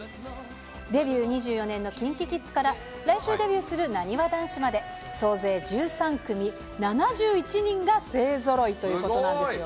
デビュー２４年のＫｉｎｋｉＫｉｄｓから、来週デビューするなにわ男子まで、総勢１３組７１人が勢ぞろいということなんですよ。